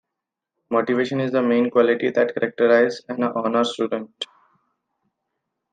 Motivation is the main quality that characterizes an honors student.